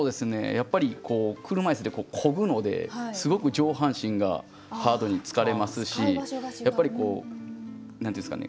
やっぱり車いすで漕ぐのですごく上半身がハードに疲れますしやっぱりこう何て言うんですかね